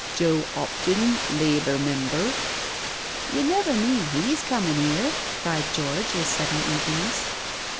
" Joe 'Opton, Labour Member ..." "You never mean he^s comin* 'ere?" cried George, with sudden eagerness.